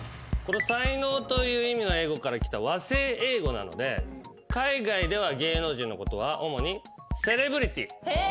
才能という意味の英語からきた和製英語なので海外では芸能人のことは主にｃｅｌｅｂｒｉｔｙ。